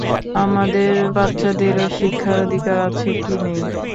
আমাদের বাচ্চাদেরও শিক্ষার অধিকার আছে কি নেই?